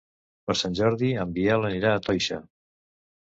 Per Sant Jordi en Biel anirà a Toixa.